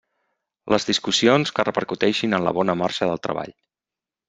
Les discussions que repercuteixin en la bona marxa del treball.